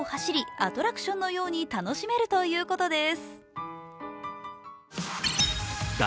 アトラクションのように楽しめるということです。